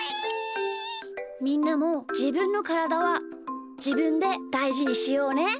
みんなもじぶんのからだはじぶんでだいじにしようね！